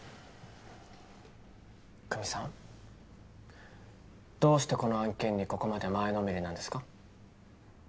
久実さんどうしてこの案件にここまで前のめりなんですか？